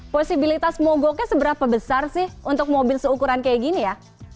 posibilitas mogoknya seberapa besar sih untuk mobil seukuran kayak gini ya